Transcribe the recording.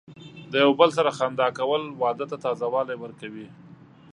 د یو بل سره خندا کول، واده ته تازه والی ورکوي.